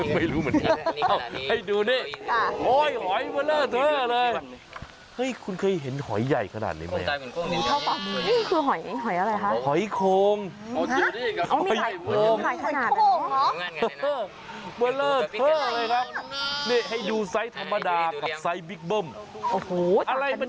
พูดคำนี้ไม่ได้หรอกไม่เหมือนเดิมอืม